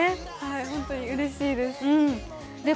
ホントにうれしいです。